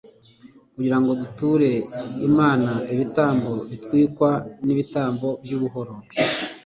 kugira ngo duture imana ibitambo bitwikwa n'ibitambo by'ubuhoro